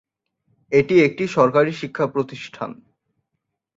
এটি একটি সরকারি শিক্ষা প্রতিষ্ঠান।